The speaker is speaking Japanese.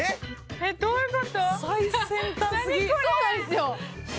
「えっどういう事？」